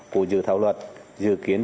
của dự thảo luật dự kiến